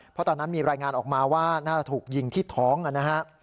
เพราะตอนนั้นมีรายงานออกมาว่าน่าจะถูกยิงที่ท้องนะฮะ